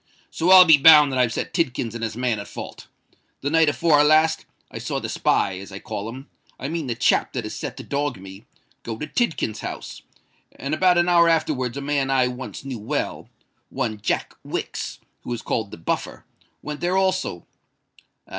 So I'll be bound that I've set Tidkins and his man at fault. The night afore last I saw the spy, as I call him—I mean the chap that is set to dog me—go to Tidkins's house; and about an hour afterwards a man I once knew well—one Jack Wicks, who is called the Buffer—went there also.